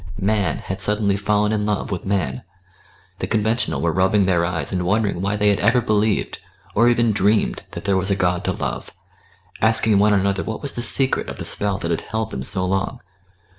Man had suddenly fallen in love with man. The conventional were rubbing their eyes and wondering why they had ever believed, or even dreamed, that there was a God to love, asking one another what was the secret of the spell that had held them so long.